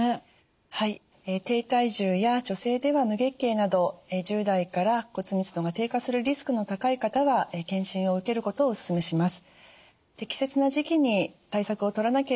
はい低体重や女性では無月経など１０代から骨密度が低下するリスクの高い方は検診を受けることをおすすめします。